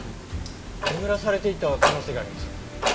眠らされていた可能性があります。